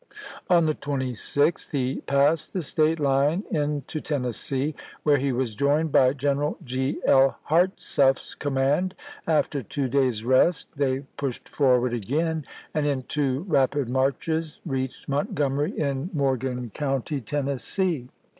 On the 26th he passed the State line into Tennessee, where he was joined by General G. L. Hartsuff's command; after two days' rest they pushed forward again, and in two rapid marches reached Montgomery in Morgan County, BUENSIDE IN TENNESSEE 163 Tennessee.